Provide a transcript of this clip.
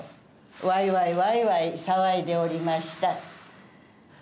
わいわいわいわい騒いでおりました。